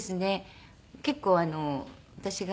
結構私が。